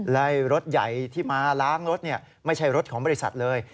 และรถใหญ่ที่มาล้างรถไม่ใช่รถของบริษัทเลย